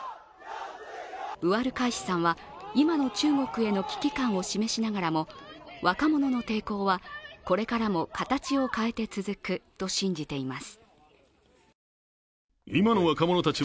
ウアルカイシさんは、今の中国への危機感を示しながらも若者の抵抗は、これからも形を変えて続くと信じています。